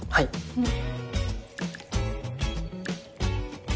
うん！